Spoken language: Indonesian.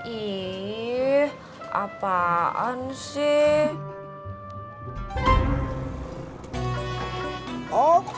ih apaan sih